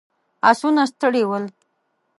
آسونه ستړي ول.